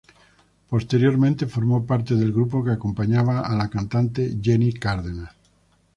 Posteriormente formó parte del grupo que acompañaba a la cantante Jenny Cárdenas.